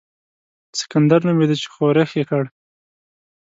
سکندر نومېدی چې ښورښ یې کړ.